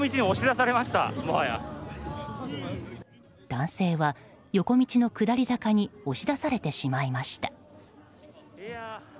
男性は、横道の下り坂に押し出されてしまいました。